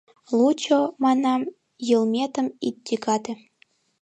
Лучо, — манам, — йылметым ит тӱгате.